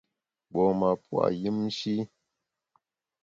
Mgbom-a pua’ yùmshi.